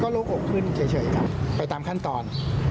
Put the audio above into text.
รู้อกขึ้นเฉยไปตามขั้นตอน